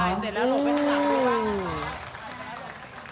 อื้อ